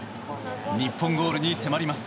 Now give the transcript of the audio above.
日本ゴールに迫ります。